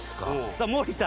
さあ森田。